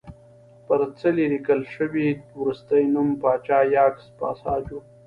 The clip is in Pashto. پر څلي لیکل شوی وروستی نوم پاچا یاکس پاساج و